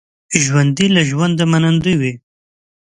ژوندي له ژونده منندوی وي